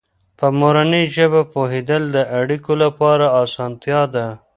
په مورنۍ ژبه پوهېدل د اړیکو لپاره اسانتیا ده.